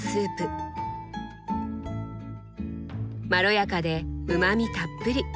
まろやかでうまみたっぷり。